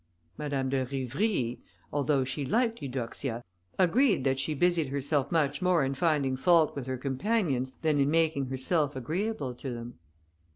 Madame de Rivry, although she liked Eudoxia, agreed that she busied herself much more in finding fault with her companions, than in making herself agreeable to them.